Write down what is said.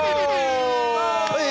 はい！